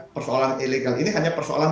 persoalan ilegal ini hanya persoalan